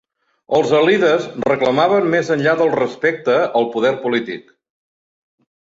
Els alides reclamaven més enllà del respecte, el poder polític.